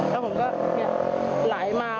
แล้วผมก็เหล่ามาเนอะ